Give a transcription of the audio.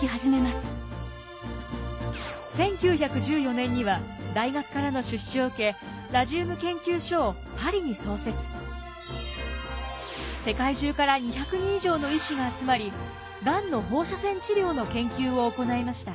１９１４年には大学からの出資を受け世界中から２００人以上の医師が集まりがんの放射線治療の研究を行いました。